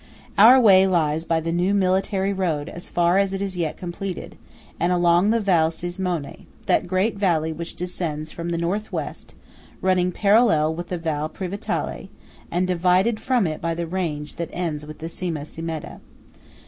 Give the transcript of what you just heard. Our way lies by the new military road as far as it is yet completed, and along the Val Cismone–that great valley which descends from the north west, running parallel with the Val Pravitale, and divided from it by the range that ends with the Cima Cimeda.